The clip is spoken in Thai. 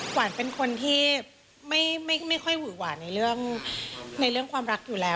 หวานเป็นคนที่ไม่ค่อยหวือหวานในเรื่องความรักอยู่แล้ว